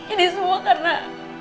ini semua karena